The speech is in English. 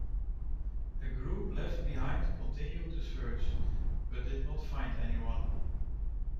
A group left behind continued the search, but did not find anyone.